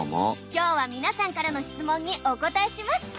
今日は皆さんからの質問にお答えします。